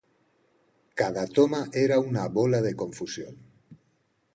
Cada toma era una bola de confusión.